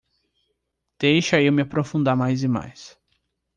Deixa eu me aprofundar mais e mais